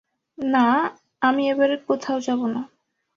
না, আমি এবার কোথাও যাব না।